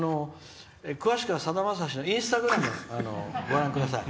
詳しくは、さだまさしのインスタグラムご覧ください。